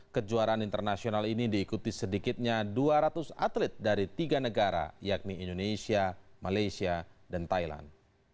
kejuaraan internasional ini diikuti sedikitnya dua ratus atlet dari tiga negara yakni indonesia malaysia dan thailand